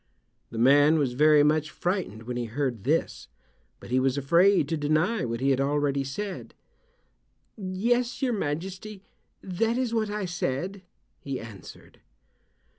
The man was very much frightened when he heard this, but he was afraid to deny what he had already said. "Yes, your majesty, that is what I said," he answered.